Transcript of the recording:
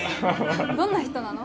どんな人なの？